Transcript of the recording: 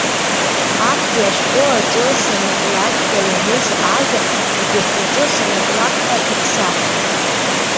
Актәи ашәҟәы аҿы санаклакь ҳәа ианыз ажәа, егьырҭ рҿы санаклак ҳәа иԥсахын.